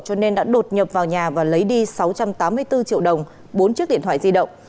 cho nên đã đột nhập vào nhà và lấy đi sáu trăm tám mươi bốn triệu đồng bốn chiếc điện thoại di động